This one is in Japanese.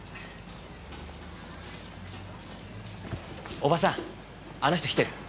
おばさんあの人来てる？